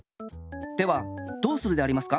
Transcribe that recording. ではどうするでありますか？